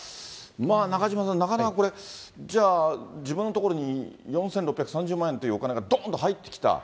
中島さん、なかなかこれ、じゃあ、自分のところに４６３０万円というお金がどーんと入ってきた。